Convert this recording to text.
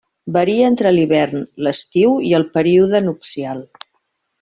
Varia entre l'hivern, l'estiu i el període nupcial.